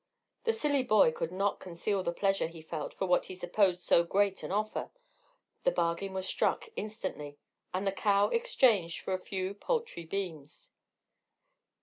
The silly boy could not conceal the pleasure he felt at what he supposed so great an offer: the bargain was struck instantly, and the cow exchanged for a few paltry beans.